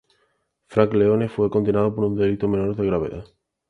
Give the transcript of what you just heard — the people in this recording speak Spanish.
Frank Leone fue condenado por un delito de menor gravedad.